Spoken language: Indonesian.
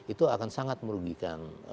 itu akan sangat merugikan